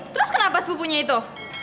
terus kenapa sepupunya itu